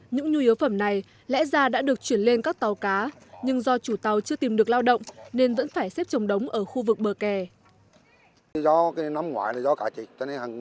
những nhu yếu phẩm này lẽ ra đã được chuyển lên các tàu cá nhưng do chủ tàu chưa tìm được lao động nên vẫn phải xếp trồng đống ở khu vực bờ kè